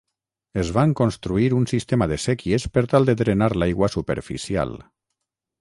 Es van construir un sistema de séquies per tal de drenar l'aigua superficial.